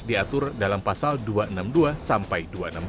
diatur dalam pasal dua ratus enam puluh dua sampai dua ratus enam puluh